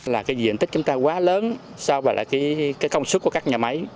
là cái diện tích chúng ta quá lớn so với là cái công suất của các nhà máy